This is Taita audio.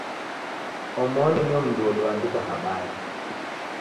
Omoni nio mndu odu oandika habari.